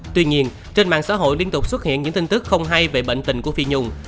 tuy nhiên trên mạng xã hội liên tục xuất hiện những tin tức không hay về bệnh tình của phi nhung